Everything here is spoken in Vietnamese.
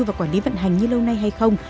và quản lý vận hành như lâu nay hay không